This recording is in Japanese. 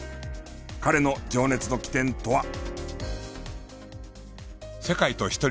彼の情熱の起点とは。